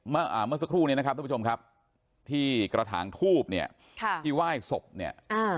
เมื่ออ่าเมื่อสักครู่นี้นะครับทุกผู้ชมครับที่กระถางทูบเนี่ยค่ะที่ไหว้ศพเนี่ยอ่า